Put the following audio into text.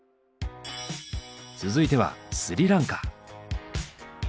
続いてはスリランカ。